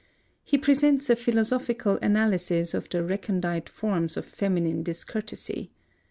He presents a philosophical analysis of the recondite forms of feminine discourtesy.